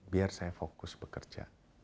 biar saya fokus bekerja